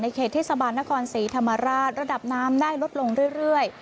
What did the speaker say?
เขตเทศบาลนครศรีธรรมราชระดับน้ำได้ลดลงเรื่อย